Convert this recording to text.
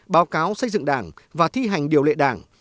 báo cáo xây dựng đảng và thi hành điều lệ đảng